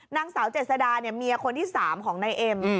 นางสาวเจษดาเนี่ยเมียคนที่๓ของนายเอ็ม